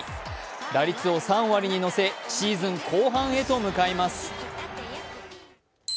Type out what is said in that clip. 打率を３割に乗せシーズン後半へと向かいます。